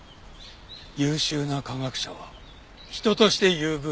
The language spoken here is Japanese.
優秀な科学者は人として優遇されるべきだ。